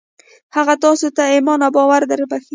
هغه تاسې ته ايمان او باور دربښي.